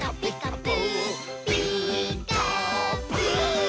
「ピーカーブ！」